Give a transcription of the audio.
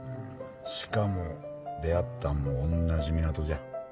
しかも出会ったんも同じ港じゃ。